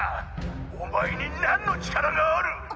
「お前に何の力がある⁉」